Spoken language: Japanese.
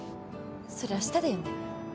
それあしただよね？